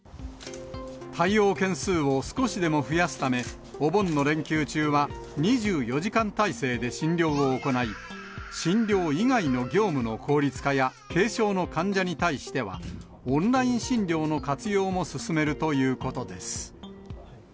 対応件数を少しでも増やすため、お盆の連休中は２４時間体制で診療を行い、診療以外の業務の効率化や、軽症の患者に対しては、オンライン診療の活用も勧めるということです。